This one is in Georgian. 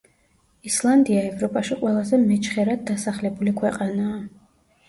ისლანდია ევროპაში ყველაზე მეჩხერად დასახლებული ქვეყანაა.